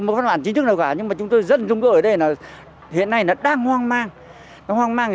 một phần bản chính thức nào cả nhưng mà chúng tôi rất mong muốn ở đây hiện nay nó đang hoang mang